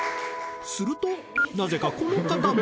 するとなぜかこの方も。